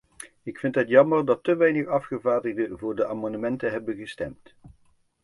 Ik vind het jammer dat te weinig afgevaardigden voor de amendementen hebben gestemd.